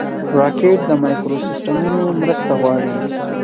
راکټ د مایکروسیسټمونو مرسته غواړي